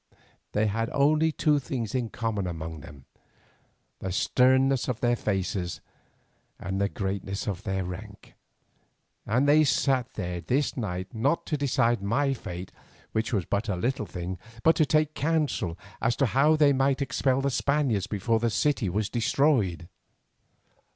They had only two things in common among them, the sternness of their faces and the greatness of their rank, and they sat there this night not to decide my fate, which was but a little thing, but to take counsel as to how they might expel the Spaniards before the city was destroyed.